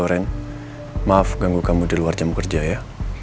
orang maaf ganggu kamu di luar jam kerja ya